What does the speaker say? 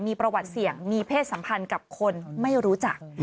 มีประวัติเสี่ยงมีเพศสัมพันธ์กับคนไม่รู้จัก